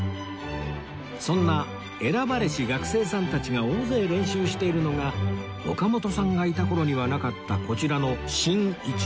そんな選ばれし学生さんたちが大勢練習しているのが岡本さんがいた頃にはなかったこちらの新１号館